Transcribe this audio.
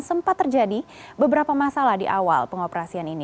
sempat terjadi beberapa masalah di awal pengoperasian ini